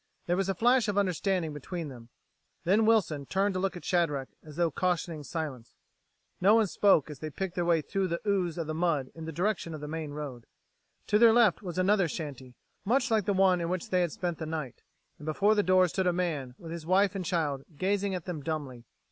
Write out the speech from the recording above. There was a flash of understanding between them; then Wilson turned to look at Shadrack, as though cautioning silence. No one spoke as they picked their way along through the ooze of mud in the direction of the main road. To their left was another shanty, much like the one in which they had spent the night, and before the door stood a man, with his wife and child, gazing at them dumbly.